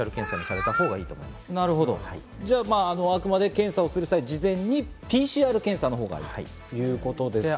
あくまでも検査をする際、事前にＰＣＲ検査のほうがいいということですね。